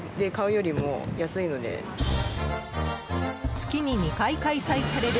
月に２回開催される